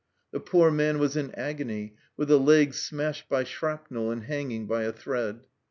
The poor man was in agony, with a leg smashed by shrapnel and hanging by a thread.